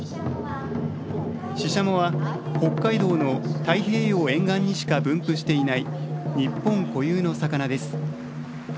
シシャモは、北海道の太平洋沿岸にしか分布していない日本固有の魚です。